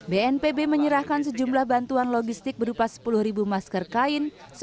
bnpb menyerahkan sejumlah bantuan logistik berupa sepuluh masker kain